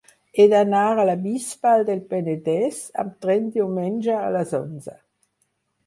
He d'anar a la Bisbal del Penedès amb tren diumenge a les onze.